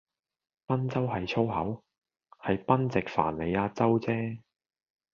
賓州係粗口？係賓夕凡尼亞州唧